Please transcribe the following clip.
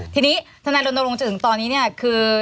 ที่นี้ท่านนายลนโดรงจะถึงตอนนี้คือ